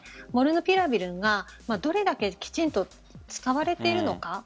モルヌピラビルがどれだけきちんと使われているのか。